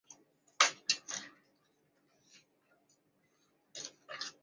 圣波迪韦尔奈。